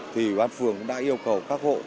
thì văn phường đã yêu cầu các hộ